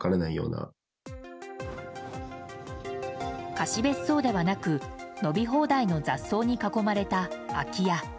貸別荘ではなく伸び放題の雑草に囲まれた空き家。